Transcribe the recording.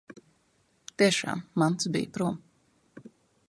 Tiešām, mantas bija prom.